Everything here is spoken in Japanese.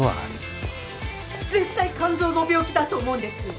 ・絶対肝臓の病気だと思うんです。